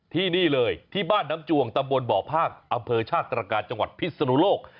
ที่นี่เลยที่บ้านน้ำจวงตำบลบ่อภาคอำเภอชาติตรการจังหวัดพิศนุโลก